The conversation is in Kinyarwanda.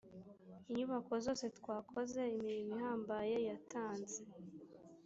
inyubako zose twakoze imirimo ihambaye yatanze